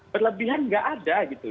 berlebihan nggak ada gitu